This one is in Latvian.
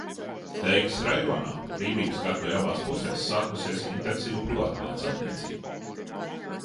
Teikas rajonā, Brīvības gatvei abās pusēs, sākusies intensīva privātmāju celtniecība.